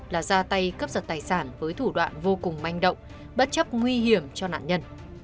là ra tay cướp giật tài sản với thủ đoạn vô cùng manh động bất chấp nguy hiểm cho nạn nhân